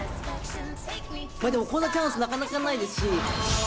まあでもこんなチャンスなかなかないですし。